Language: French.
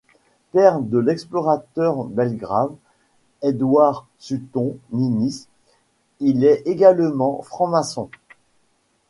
Père de l'explorateur Belgrave Edward Sutton Ninnis, il est également franc-maçon.